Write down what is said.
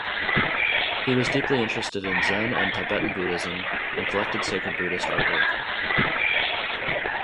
He was deeply interested in Zen and Tibetan Buddhism, and collected sacred Buddhist artwork.